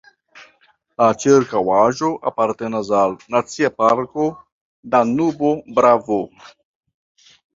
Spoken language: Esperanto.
La ĉirkaŭaĵo apartenas al Nacia parko Danubo-Dravo.